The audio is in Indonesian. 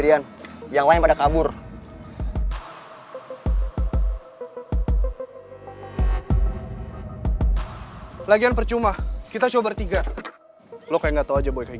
iya lah mak masa rumah tetangganya